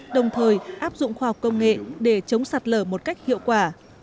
đồng thời áp dụng khoa học công nghệ để chống sạt lở một cách hiệu quả